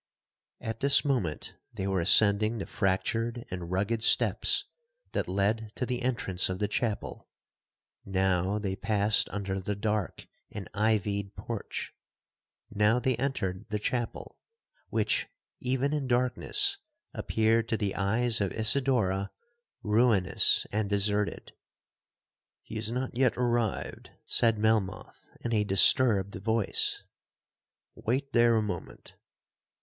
'At this moment they were ascending the fractured and rugged steps that led to the entrance of the chapel, now they passed under the dark and ivied porch,—now they entered the chapel, which, even in darkness, appeared to the eyes of Isidora ruinous and deserted. 'He has not yet arrived,' said Melmoth, in a disturbed voice; 'Wait there a moment.'